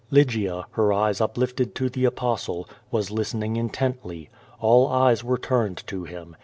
Lygia, her eyes uplifted to the Apostle, was listening in tently. All eyes were turned to him.